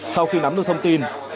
sau khi nắm được thông tin